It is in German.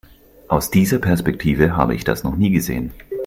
Aus dieser Perspektive habe ich das noch nie gesehen.